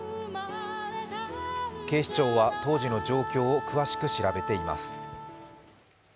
警視庁は、当時の状況を詳しく調べています。